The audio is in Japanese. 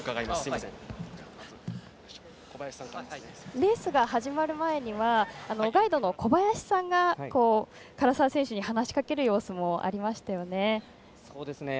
レースが始まる前にはガイドの小林さんが唐澤選手に話しかける様子もありましたよね。